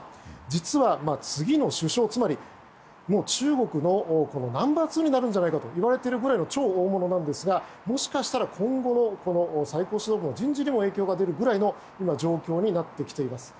実は、次の首相つまり中国のナンバー２になるんじゃないかといわれているくらいの超大物ですがもしかしたら今後の最高指導部の人事にも影響が出るぐらいの状況になってきています。